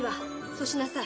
そうしなさい。